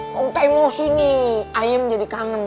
nong ke emosi nih ayam jadi kangen